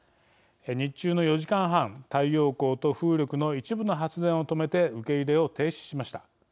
日中の４時間半、太陽光と風力の一部の発電を止めて受け入れを停止しました。